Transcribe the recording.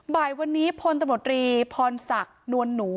บ่ายวันนี้พลตมพลศักรณ์นวรหนู